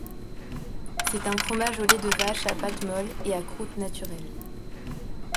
C'est un fromage au lait de vache à pâte molle et à croûte naturelle.